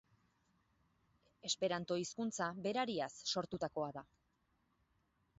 Esperanto hizkuntza berariaz sortutakoa da.